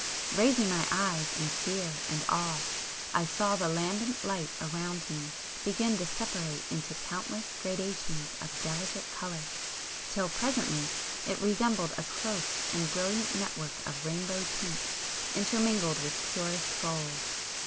Raising my eyes in fear and awe, I saw the lambent light around me begin to separate into countless gradations of delicate colour till presently it resembled a close and brilliant network of rainbow tints intermingled with purest gold.